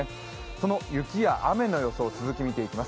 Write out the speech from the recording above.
その雪や雨の予想の続きを見ていきます。